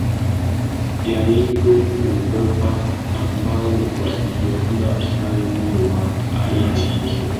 ya Indo Uropa ambao waliunda ufalme wa Wahiti